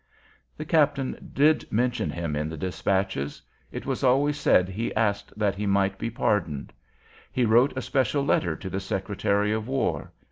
The captain did mention him in the despatches. It was always said he asked that he might be pardoned. He wrote a special letter to the Secretary of War.